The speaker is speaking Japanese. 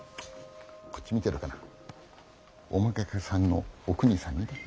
こっち見てるかなお妾さんのおくにさんにね。